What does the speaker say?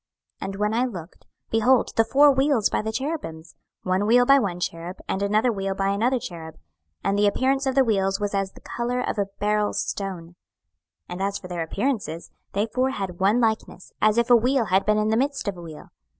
26:010:009 And when I looked, behold the four wheels by the cherubims, one wheel by one cherub, and another wheel by another cherub: and the appearance of the wheels was as the colour of a beryl stone. 26:010:010 And as for their appearances, they four had one likeness, as if a wheel had been in the midst of a wheel.